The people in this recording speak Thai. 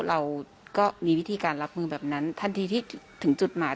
เราก็มีวิธีการรับมือแบบนั้นทันทีที่ถึงจุดหมาย